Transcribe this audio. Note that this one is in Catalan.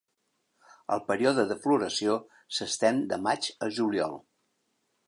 El període de floració s'estén de maig a juliol.